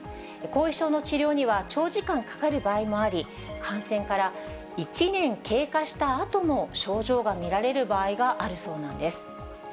後遺症の治療には、長時間かかる場合もあり、感染から１年経過したあとも症状が見られる場合があるそうなんです。